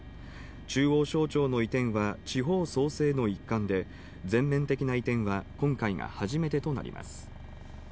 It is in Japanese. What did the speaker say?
中央省庁の移転は地方創生の一環で、全面的な移転は今回が初めてとなります。